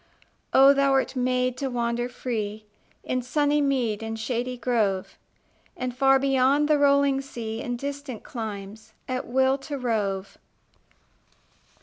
Oh, thou wert made to wander free In sunny mead and shady grove, And far beyond the rolling sea, In distant climes, at will to rove!